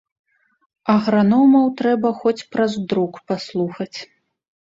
Аграномаў трэба хоць праз друк паслухаць.